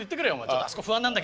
「あそこ不安なんだけど」って。